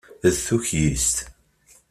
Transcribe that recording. D tukyist.